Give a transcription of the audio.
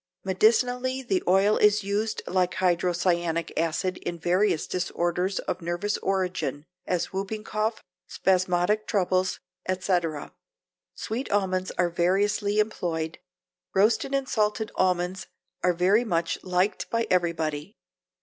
Medicinally the oil is used like hydrocyanic acid in various disorders of nervous origin, as whooping cough, spasmodic troubles, etc. Sweet almonds are variously employed. Roasted and salted almonds are very much liked by everybody.